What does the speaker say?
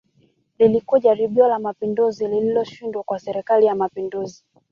Lilikuwa jaribio la Mapinduzi lililoshindwa kwa Serikali ya Mapinduzi